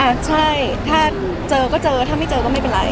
ใช่ถ้าเจอก็เจอถ้าไม่เจอก็ไม่เป็นไร